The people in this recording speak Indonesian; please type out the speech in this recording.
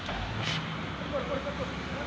samsung mengakibatkan per paperwork ke le paruri